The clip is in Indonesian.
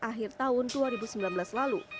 akhir tahun dua ribu sembilan belas lalu